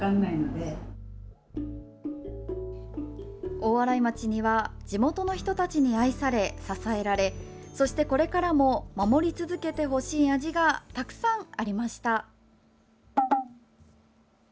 大洗町には地元の人たちに愛され、支えられこれからも守り続けてほしい味がたくさんありました。